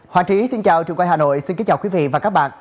họa trí xin chào trường quay hà nội xin kính chào quý vị và các bạn